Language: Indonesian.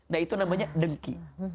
nah itu namanya demki